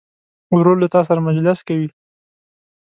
ورور له تا سره مجلس کوي.